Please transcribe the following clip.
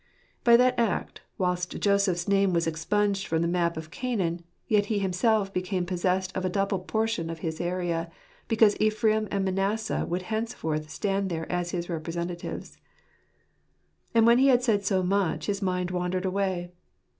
By that act, whilst Joseph's name was expunged from the map of Canaan, yet he himself became possessed of a double portion of his area, because Ephraim and Manasseh would henceforth stand there as his representatives. And when he had said so much his mind wandered away.